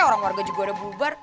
orang warga juga ada bubar